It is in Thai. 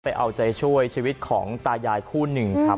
เอาใจช่วยชีวิตของตายายคู่หนึ่งครับ